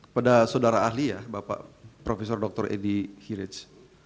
pada saudara ahli ya bapak prof dr edi hirij